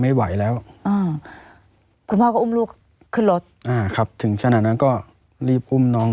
ไม่ไหวแล้วอ่าคุณพ่อก็อุ้มลูกขึ้นรถอ่าครับถึงขนาดนั้นก็รีบอุ้มน้อง